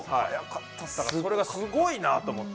それがすごいなと思って。